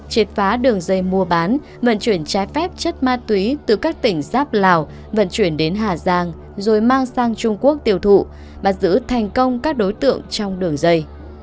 triệt phá đường dây mua bán vận chuyển trái phép chất ma túy từ các tỉnh giáp lào vận chuyển đến hà giang rồi mang sang trung quốc tiêu thụ bắt giữ thành công các đối tượng trong đường dây